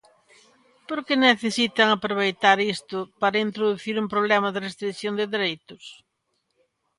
¿Por que necesitan aproveitar isto para introducir un problema de restrición de dereitos?